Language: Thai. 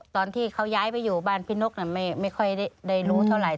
ตอนที่เขาย้ายไปอยู่บ้านพี่นกไม่ค่อยได้รู้เท่าไหร